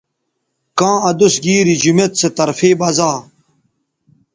کاں ادوس گیری جمیت سو طرفے بزا